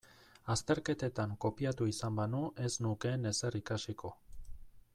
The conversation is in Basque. Azterketetan kopiatu izan banu ez nukeen ezer ikasiko.